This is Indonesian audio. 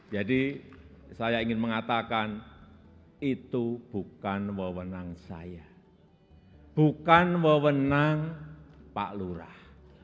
saya ingin mengatakan itu bukan wewenang saya bukan wewenang pak lurah